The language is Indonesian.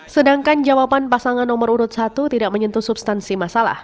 sedangkan jawaban pasangan nomor urut satu tidak menyentuh substansi masalah